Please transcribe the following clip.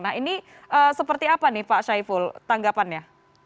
nah ini seperti apa nih pak syaiful tanggapannya